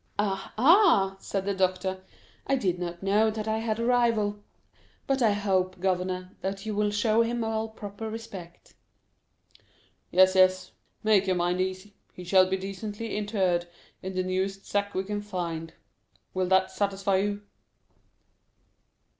"Ah, ah!" said the doctor, "I did not know that I had a rival; but I hope, governor, that you will show him all proper respect in consequence." "Yes, yes, make your mind easy, he shall be decently interred in the newest sack we can find. Will that satisfy you?"